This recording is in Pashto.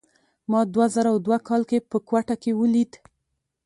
ما دوه زره دوه کال کې په کوټه کې ولید.